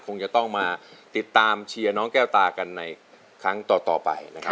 คงจะต้องมาติดตามเชียร์น้องแก้วตากันในครั้งต่อไปนะครับ